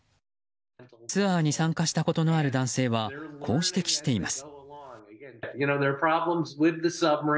ツアーに参加したことのある男性は、こう指摘しています。